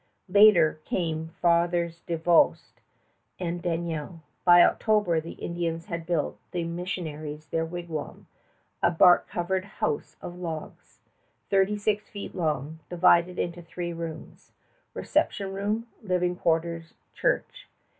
Later came Fathers Davost and Daniel. By October the Indians had built the missionaries their wigwam, a bark covered house of logs, thirty six feet long, divided into three rooms, reception room, living quarters, church.